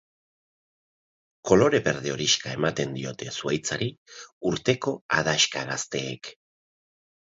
Kolore berde-horixka ematen diote zuhaitzari urteko adaxka gazteek.